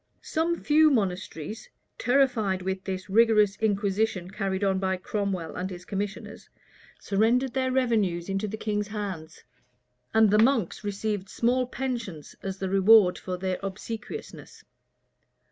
Some few monasteries, terrified with this rigorous inquisition carried on by Cromwell and his commissioners, surrendered their revenues into the king's hands; and the monks received small pensions as the reward of their obsequiousness.